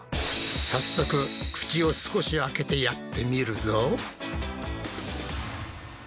早速口を少し開けてやってみるぞ。